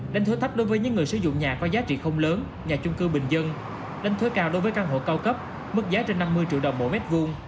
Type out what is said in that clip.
đánh thuế cao đối với căn hộ cao cấp mức giá trên năm mươi triệu đồng mỗi m hai